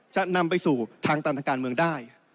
จะนำไปสู่ทางตันทางการเมืองได้